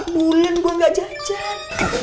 empat bulan gue gak jajan